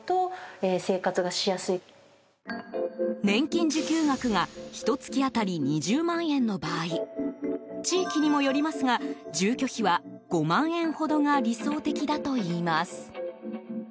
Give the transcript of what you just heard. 年金受給額がひと月当たり２０万円の場合地域にもよりますが住居費は５万円ほどが理想的だといいます。